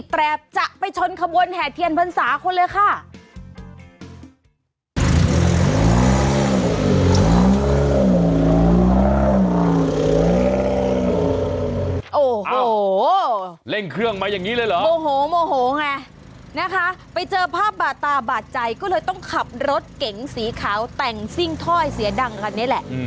ไปเจอภาพบาดตาบาดใจก็เลยต้องขับรถเก๋งสีขาวแต่งซิ้งถ้อยเสียดังกันนี้แหละ